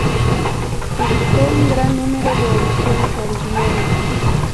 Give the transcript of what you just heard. Publicó un gran número de ediciones originales.